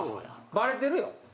バレてるよ。